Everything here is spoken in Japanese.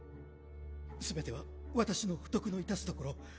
全ては私の不徳の致すところ。